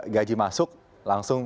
gaji masuk langsung